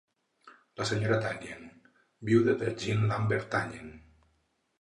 La senyora Tallien, vídua de Jean Lambert Tallien.